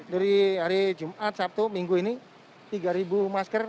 dari hari jumat sabtu minggu ini tiga masker